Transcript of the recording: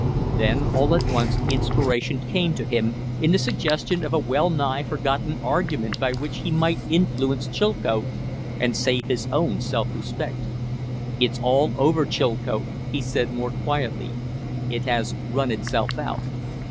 Then all at once inspiration came to him, in the suggestion of a wellnigh forgotten argument by which he might influence Chilcote and save his own self respect. "It's all over, Chilcote," he said, more quietly; "it has run itself out."